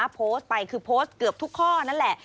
โพสต์ไปคือโพสต์เกือบทุกข้อนั่นแหละ